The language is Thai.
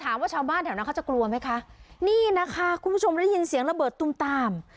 ชาวบ้านแถวนั้นเขาจะกลัวไหมคะนี่นะคะคุณผู้ชมได้ยินเสียงระเบิดตุ้มตาม